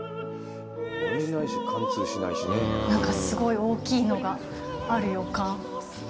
なんか、すごい大きいのがある予感。